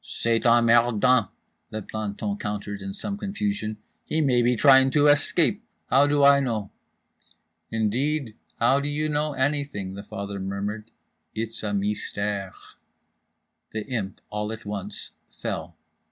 —"C'est emmerdant," the planton countered, in some confusion—"he may be trying to escape. How do I know?"—"Indeed, how do you know anything?" the father murmured quietly. "It's a mystère." The Imp, all at once, fell.